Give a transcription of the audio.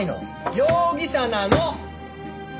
容疑者なの！